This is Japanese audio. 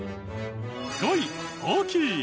５位大きい。